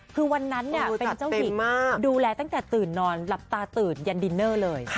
คือวันนั้นเป็นเจ้าหญิงดูแลตั้งแต่ตื่นนอนหลับตาตื่นยันดินเนอร์เลย